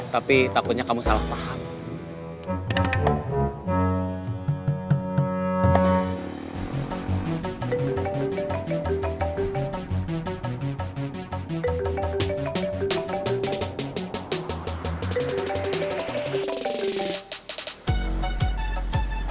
tapi takutnya kamu salah paham